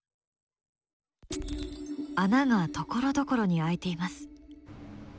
穴がところどころに開いています。